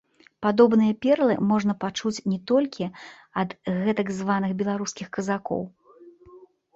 Падобныя перлы можна пачуць не толькі ад гэтак званых беларускіх казакоў.